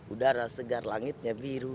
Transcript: udara segar langitnya biru